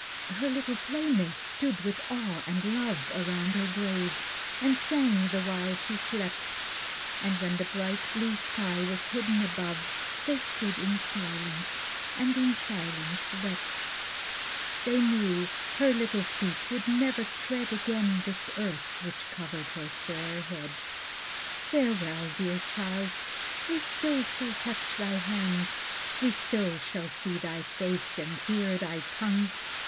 Her little playmates stood with awe and love Around her grave, and sang the while she slept; But when the bright blue sky was hidden above, They stood in silence, and in silence wept; They knew her little feet would never tread Again this earth, which covered her fair head. Farewell, dear child! We still shall touch thy hand, We still shall see thy face, and hear thy tongue.